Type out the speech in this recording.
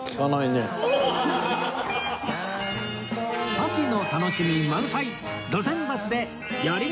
秋の楽しみ満載！